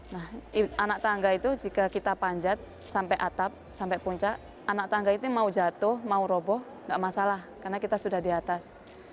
nah anak tangga itu jika kita panjat sampai atap sampai puncak anak tangga itu mau jatuh mau roboh nggak masalah karena kita sudah di atas